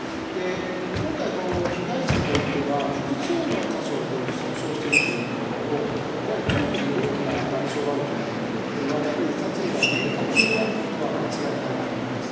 今回、この被害者においては、複数の箇所で損傷しているということと、やはり頭部に大きな外傷があるということ、これはやっぱり殺意が明確であることは間違いないと思うんです。